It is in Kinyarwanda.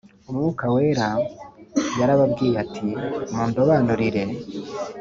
Umwuka Wera yarababwiye ati Mundobanurire